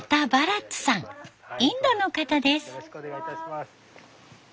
インドの方です。